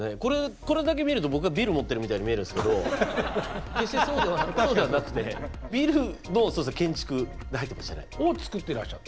これだけ見ると僕がビル持ってるみたいに見えるんですけど決してそうではなくてビルの建築で入ってましたね。をつくってらっしゃった？